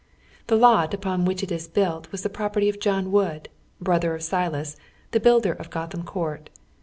The lot upon which it is built was the property of John Wood, brother of Silas, the builder of Gotham Court.